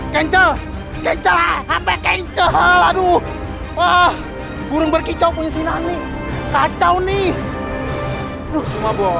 kencal kencal hp kencal aduh ah burung berkicau punya sinar nih kacau nih